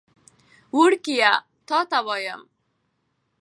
وړکیه! توته یایم.